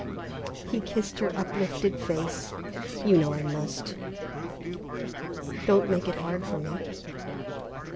He kissed her uplifted face; "You know I must; don't make it hard for me."